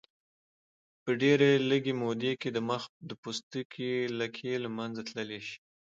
په ډېرې لږې موده کې د مخ د پوستکي لکې له منځه تللی شي.